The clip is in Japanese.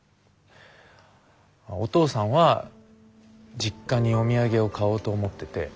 お父さんは実家にお土産を買おうと思ってて。